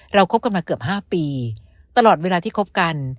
คบกันมาเกือบ๕ปีตลอดเวลาที่คบกัน